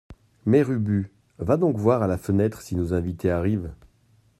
Mère Ubu, va donc voir à la fenêtre si nos invités arrivent.